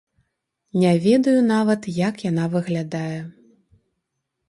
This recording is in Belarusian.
Не ведаю нават, як яна выглядае.